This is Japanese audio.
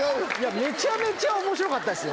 めちゃめちゃ面白かったですよ。